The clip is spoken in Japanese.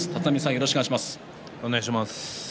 よろしくお願いします。